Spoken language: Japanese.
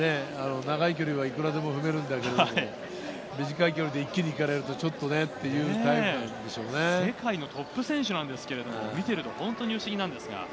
長い距離はいくらでも踏めるんですけど短い距離では一気に行かれるとちょっとということなん世界のトップ選手なんですけれど、見てると不思議です。